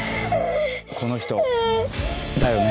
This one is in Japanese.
この人だよね？